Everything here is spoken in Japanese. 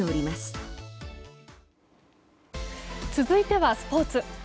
続いてはスポーツ。